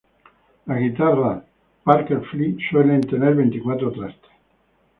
Las guitarras Parker Fly suelen tener veinticuatro trastes.